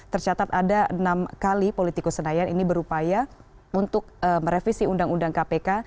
tercatat ada enam kali politikus senayan ini berupaya untuk merevisi undang undang kpk